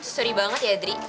sorry banget ya ndri